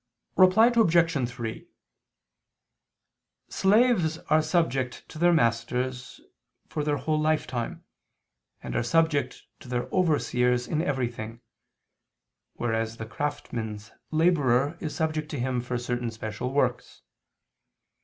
Reply Obj. 3: Slaves are subject to their masters for their whole lifetime, and are subject to their overseers in everything: whereas the craftsman's laborer is subject to him for certain special works.